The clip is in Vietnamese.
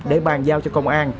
để bàn giao cho công an